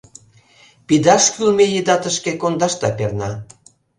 Пидаш кӱлмӧ еда тышке кондашда перна.